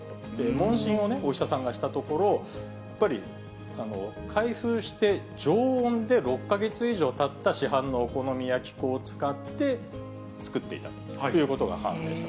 問診をね、お医者さんがしたところ、やっぱり開封して常温で６か月以上たった市販のお好み焼き粉を使って作っていたということが判明した。